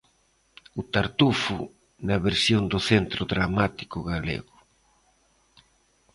'O Tartufo' na versión do Centro Dramático Galego.